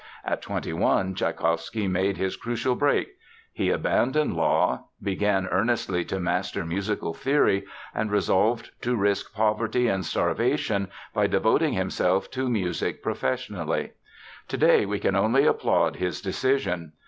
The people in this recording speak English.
At twenty one Tschaikowsky made his crucial break. He abandoned law, began earnestly to master musical theory, and resolved to risk poverty and starvation by devoting himself to music professionally. Today we can only applaud his decision.